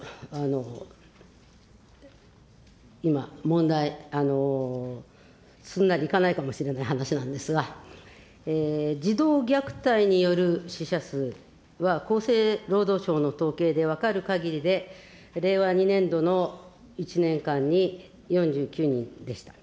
次は、ちょっと今、問題、すんなりいかないかもしれない話なんですが、児童虐待による死者数は、厚生労働省の統計で分かるかぎりで、令和２年度の１年間に４９人でした。